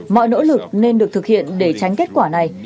mọi nỗ lực nên được thực hiện để tránh kết quả này